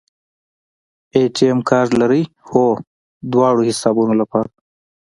اے ټي ایم کارت لرئ؟ هو، دواړو حسابونو لپاره